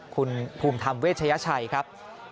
คุณภูมิธรรมเวชยชัยครับ